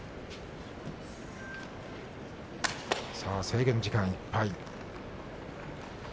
制限時間いっぱい。